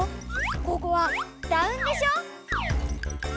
ここはダウンでしょ？